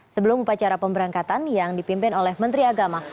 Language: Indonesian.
sebelum upacara pemberangkatan yang dipimpin oleh menteri agama